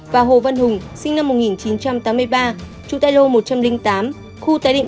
và hồ văn hùng sinh năm một nghìn chín trăm tám mươi ba trú tại lô một trăm linh tám khu tái định